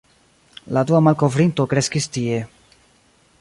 La dua malkovrinto kreskis tie.